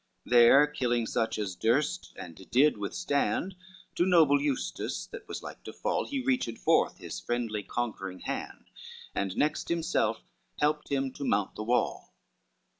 LXXIX There killing such as durst and did withstand, To noble Eustace that was like to fall He reached forth his friendly conquering hand, And next himself helped him to mount the wall.